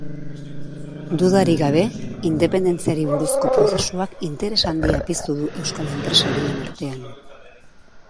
Dudarik gabe, independentziari buruzko prozesuak interes handia piztu du euskal enpresarien artean.